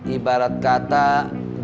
ibarat kata jepang masih jauh